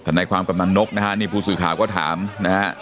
นายความกำนันนกนะฮะนี่ผู้สื่อข่าวก็ถามนะฮะ